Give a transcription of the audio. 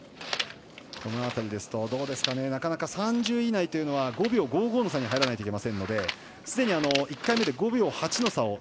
この辺りですと、なかなか３０位以内というのは５秒５５の差に入らないといけないのですでに１回目で５秒８の差